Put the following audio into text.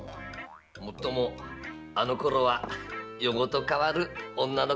もっともあのころは夜ごと変わる女の顔だったっけ。